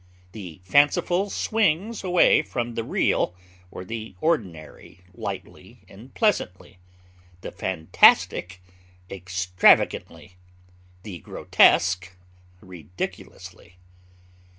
The fanciful swings away from the real or the ordinary lightly and pleasantly, the fantastic extravagantly, the grotesque ridiculously.